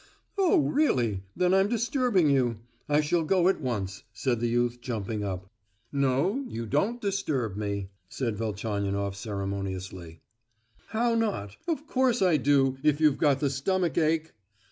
"Oh, really! then I'm disturbing you. I shall go at once," said the youth, jumping up. "No, you don't disturb me!" said Velchaninoff ceremoniously. "How not; of course I do, if you've got the stomach ache!